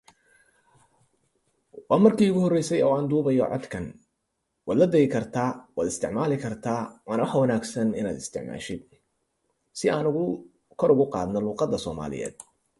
Trutnev's hobbies include rally racing and karate.